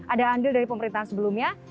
ada andil dari pemerintahan sebelumnya